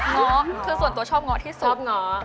ง้อคือส่วนตัวชอบง้อที่สุด